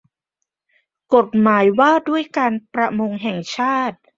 กฎหมายว่าด้วยการประมงแห่งชาติ